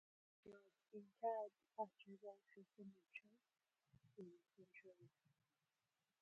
He was interred at Resurrection Cemetery in Saint Louis.